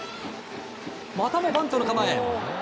またもバントの構え。